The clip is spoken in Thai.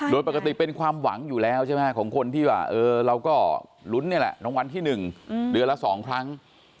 โดยปกติเป็นความหวังอยู่แล้วใช่ไหมของคนที่ว่าเราก็ลุ้นนี่แหละรางวัลที่๑เดือนละ๒ครั้ง